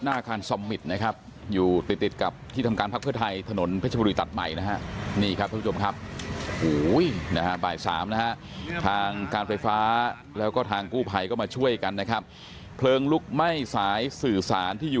หน้าอาคารซอมมิตรนะครับอยู่ติดกับที่ทำการภาพเครือไทย